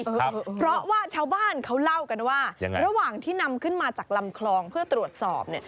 เพราะว่าชาวบ้านเขาเล่ากันว่ายังไงระหว่างที่นำขึ้นมาจากลำคลองเพื่อตรวจสอบเนี่ย